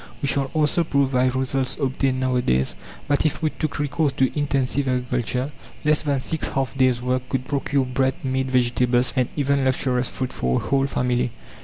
We shall also prove by results obtained nowadays, that if we took recourse to intensive agriculture, less than 6 half days' work could procure bread, meat, vegetables, and even luxurious fruit for a whole family.